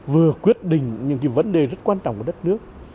vừa quyết định những cái vấn đề rất quan trọng của đất nước